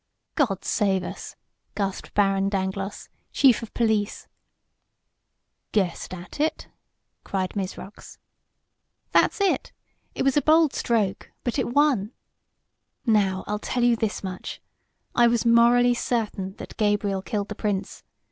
"God save us!" gasped Baron Dangloss, Chief of Police. "Guessed at it?" cried Mizrox. "That's it. It was a bold stroke, but it won. Now, I'll tell you this much. I was morally certain that Gabriel killed the Prince.